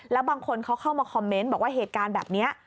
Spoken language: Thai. แล้วบางคนเขาเข้ามาคอมเมนต์บอกว่าเหตุการณ์แบบนี้